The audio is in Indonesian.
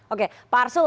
oke pak arsul